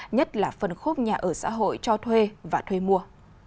nhất là phân khúc nhà ở xã hội cho thuê và thuê mua